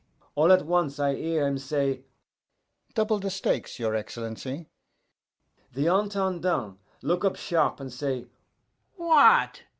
All at once I hear him say, 'Double the stakes, your Excellency!' The Intendant look up sharp and say, 'What!